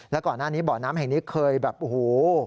แล้วก่อนหน้านี้บ่อน้ำแห่งนี้เคยแบบโอ้โห